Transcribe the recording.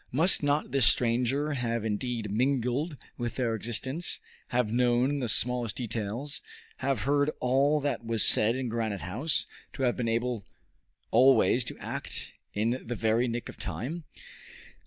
Must not this stranger have indeed mingled with their existence, have known the smallest details, have heard all that was said in Granite House, to have been able always to act in the very nick of time?